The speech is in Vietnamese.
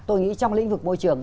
tôi nghĩ trong lĩnh vực môi trường